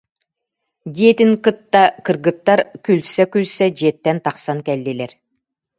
диэтин кытта кыргыттар күлсэ-күлсэ дьиэттэн тахсан кэллилэр